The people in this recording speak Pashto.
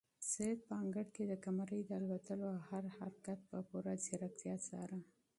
سعید په انګړ کې د قمرۍ د الوتلو هر حرکت په پوره ځیرکتیا څاره.